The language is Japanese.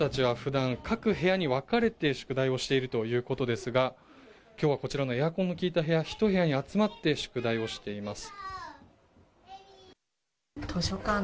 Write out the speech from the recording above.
子どもたちは普段、各部屋に分れて宿題をしているということですが今日はこちらのエアコンの効いた部屋１部屋に集まって宿題をしています。